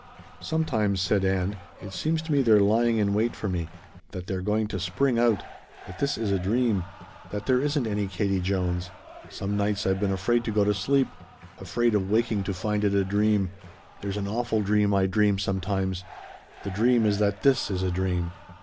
"Sometimes," said Ann, "it seems to me they're lying in wait for me. That they're going to spring out. That this is a dream. That there isn't any Katie Jones. Some nights I've been afraid to go to sleep. Afraid of waking to find it a dream. There's an awful dream I dream sometimes! The dream is that this is a dream."